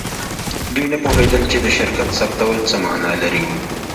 دوی نه پوهیدل چې د شرکت ثبتول څه معنی لري